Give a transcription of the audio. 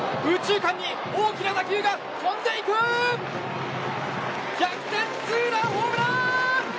右中間に大きな打球が飛んでいく！逆転ツーランホームラン！